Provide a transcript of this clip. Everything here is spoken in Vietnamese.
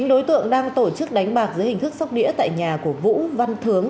chín đối tượng đang tổ chức đánh bạc dưới hình thức sóc đĩa tại nhà của vũ văn thướng